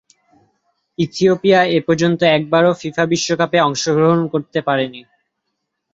Ethiopia এপর্যন্ত একবারও FIFA বিশ্বকাপে অংশগ্রহণ করতে পারেনি।